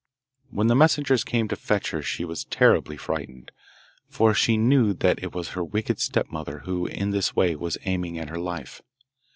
When the messengers came to fetch her she was terribly frightened, for she knew that it was her wicked stepmother who in this way was aiming at her life.